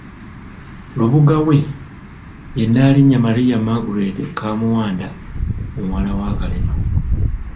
Lubuga we, ye Nnaalinnya Maria Margaret Kaamuwa nda muwala wa Kalema.